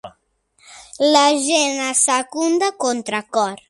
La gent la secunda a contracor.